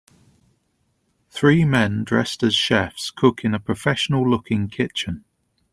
Three men dressed as chefs cook in a professional looking kitchen.